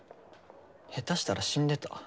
下手したら死んでた。